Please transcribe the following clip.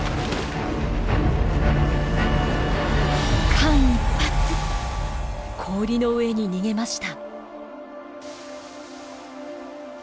間一髪氷の上に逃げました。